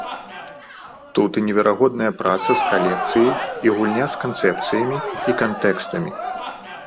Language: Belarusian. Тут і неверагодная праца з калекцыяй, і гульня з канцэпцыямі і кантэкстамі.